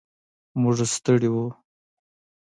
موږ ستړي و.